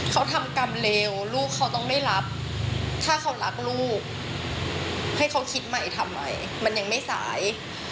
เขาทำกรรมเร็วลูกเขาต้องไม่รับถ้าเขารักลูกให้เขาคิดใหม่ทำไมมันยังไม่สาย